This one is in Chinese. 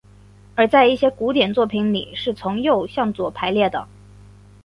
而在一些古典作品里是从右向左排列的。